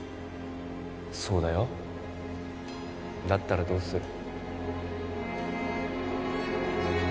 そうだよだったらどうする？